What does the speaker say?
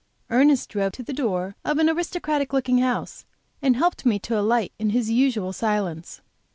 Ernest drove to the door of an aristocratic looking house, and helped me to alight in his usual silence.